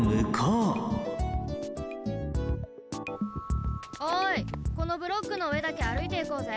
たとえばおいこのブロックのうえだけあるいていこうぜ。